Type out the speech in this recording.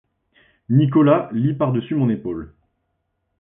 Nicolas lit par dessus mon épaule.